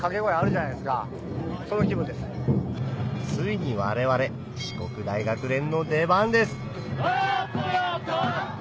ついにわれわれ四国大学連の出番です